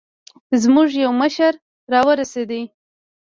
زموږ يو مشر راورسېد.